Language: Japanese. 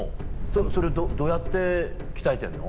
それをどうやって鍛えてるの？